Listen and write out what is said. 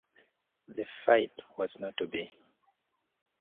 The fight was not to be.